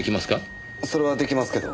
それは出来ますけど。